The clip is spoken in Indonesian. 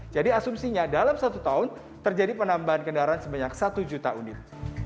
jadi asumsinya dalam satu tahun terjadi penambahan kendaraan sebanyak satu juta unit